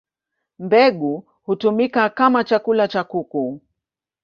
Mbegu hutumika kama chakula cha kuku.